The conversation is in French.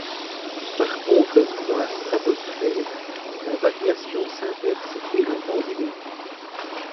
Par contre, dans la stratosphère la variation s'inverse et le vent diminue.